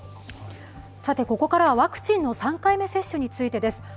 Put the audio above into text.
ここからはワクチンの３回目接種についてです。